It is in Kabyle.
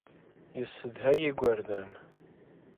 Yessedhay igerdan.